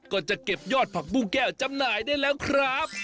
ก็จะเก็บยอดผักบุ้งแก้วจำหน่ายได้แล้วครับ